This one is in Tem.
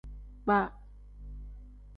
Kpaa.